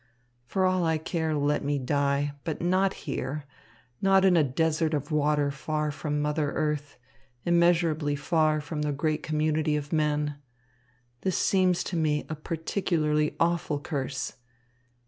For all I care, let me die; but not here, not in a desert of water far from mother earth, immeasurably far from the great community of men. This seems to me a particularly awful curse.